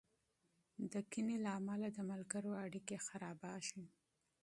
د کینې له امله د ملګرو اړیکې خرابېږي.